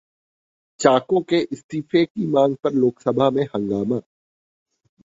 चाको के इस्तीफे की मांग पर लोकसभा में हंगामा